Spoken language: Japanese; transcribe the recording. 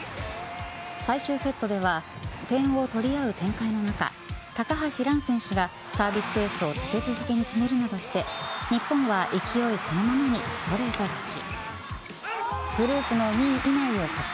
最終セットでは点を取り合う展開の中高橋藍選手がサービスエースを立て続けに決めるなどして日本は勢いそのままにストレート勝ち。